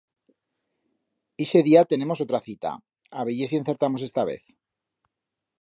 Ixe día tenemos otra cita, a veyer si encertamos esta vez.